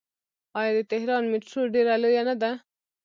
آیا د تهران میټرو ډیره لویه نه ده؟